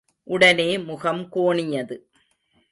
உடனே முகம் கோணியது.